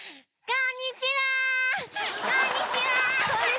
こんにちは！